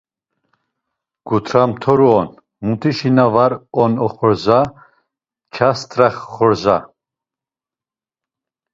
Kutra mtoru on, mutişi na var on xorza, çast̆ara xorza.